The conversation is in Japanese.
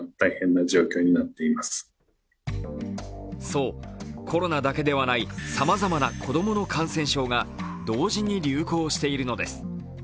そう、コロナだけではないさまざまな子供の感染症が同時に流行しているのです。